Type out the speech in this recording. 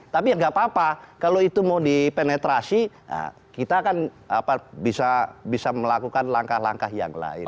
tapi ya nggak apa apa kalau itu mau dipenetrasi kita akan bisa melakukan langkah langkah yang lain